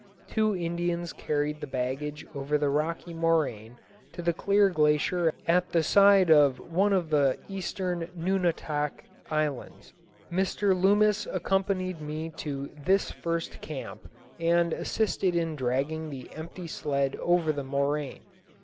Two Indians carried the baggage over the rocky moraine to the clear glacier at the side of one of the eastern Nunatak Islands. Mr. Loomis accompanied me to this first camp and assisted in dragging the empty sled over the moraine.